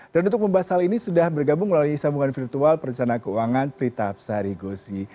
dan untuk membahas hal ini sudah bergabung melalui sambungan virtual perjalanan keuangan prita absarigosi